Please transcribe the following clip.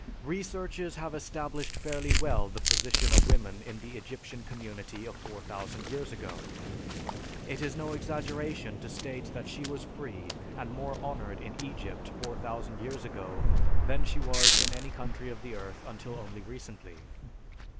Researches have established fairly well the position of women in the Egyptian community of 4000 years ago. It is no exaggeration to state that she was free and more honored in Egypt 4000 years ago, than she was in any country of the earth until only recently.